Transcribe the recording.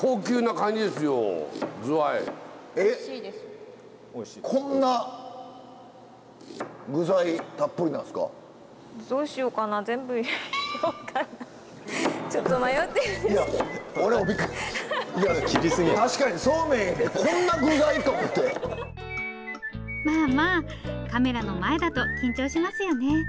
カメラの前だと緊張しますよね。